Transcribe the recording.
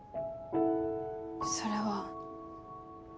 それは。